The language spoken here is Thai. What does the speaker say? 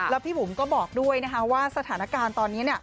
แล้วพี่บุ๋มก็บอกด้วยนะคะว่าสถานการณ์ตอนนี้